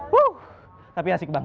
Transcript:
wuhh tapi asik bang